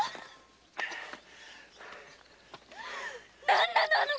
何なの？